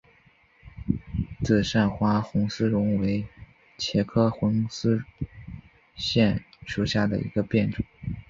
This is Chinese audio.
紫单花红丝线为茄科红丝线属下的一个变种。